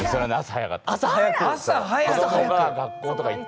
朝早く？